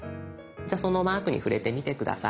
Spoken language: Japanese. じゃあそのマークに触れてみて下さい。